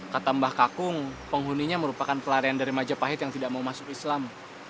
kata mbah kakung penghuninya merupakan pelarian dari majapahit yang tidak mau masuk islam